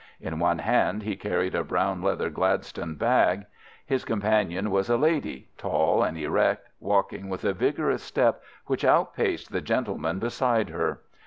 In one hand he carried a brown leather Gladstone bag. His companion was a lady, tall and erect, walking with a vigorous step which outpaced the gentleman beside her.